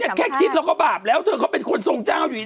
เฮ้ยแค่คิดแล้วก็บาปแล้วเธอเป็นคนทรงจ้าเขาอยู่ดี